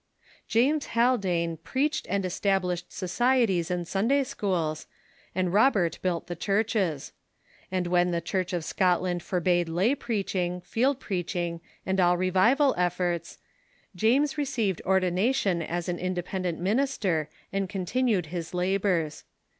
James Hal dane preached and established societies and Sunday schools, and Robert built the churches. And when the Church of Scotland forbade lay preaching, field preaching, and all revival efforts, James received ordination as an independent minister, and continued his labors.